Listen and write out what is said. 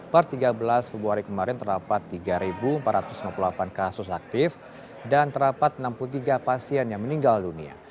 per tiga belas februari kemarin terdapat tiga empat ratus lima puluh delapan kasus aktif dan terdapat enam puluh tiga pasien yang meninggal dunia